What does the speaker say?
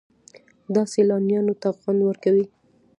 دا سیلانیانو ته خوند ورکوي.